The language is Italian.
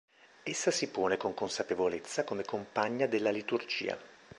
Essa si pone con consapevolezza come compagna della liturgia.